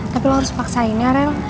tapi lo harus paksainnya rel